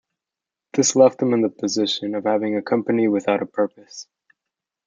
This left them in the position of having a company without a purpose.